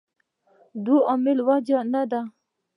دوو عاملو وجه نه ده.